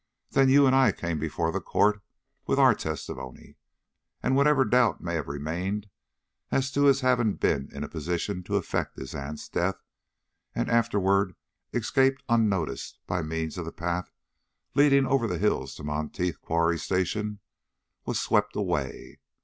Then you and I came before the court with our testimony, and whatever doubt may have remained as to his having been in a position to effect his aunt's death, and afterward escape unnoticed by means of the path leading over the hills to Monteith Quarry station, was swept away.